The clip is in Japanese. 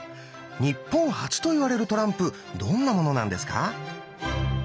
日本初といわれるトランプどんなものなんですか？